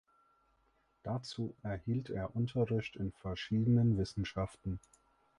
Dazu erhielt er Unterricht in verschiedenen Wissenschaften.